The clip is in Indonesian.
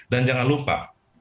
dan jangan lupa